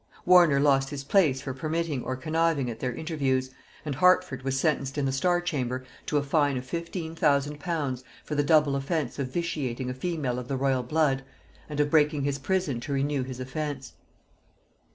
Warner lost his place for permitting or conniving at their interviews, and Hertford was sentenced in the Star chamber to a fine of fifteen thousand pounds for the double offence of vitiating a female of the royal blood, and of breaking his prison to renew his offence.